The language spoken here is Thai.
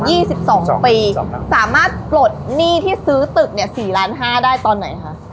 สิบสองปีครับสามารถปลดหนี้ที่ซื้อตึกเนี่ยสี่ล้านห้าได้ตอนไหนคะ